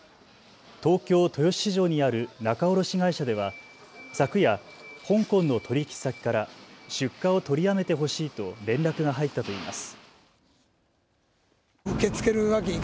東京豊洲市場にある仲卸会社では昨夜、香港の取引先から出荷を取りやめてほしいと連絡が入ったといいます。